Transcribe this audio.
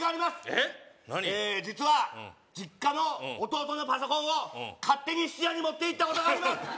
えっ実は実家の弟のパソコンを勝手に質屋に持っていったことがあります